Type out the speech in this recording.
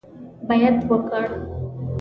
بیعت وکړ.